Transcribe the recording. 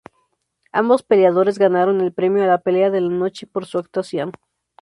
Ambos peleadores ganaron el premio a la "Pelea de la Noche" por su actuación.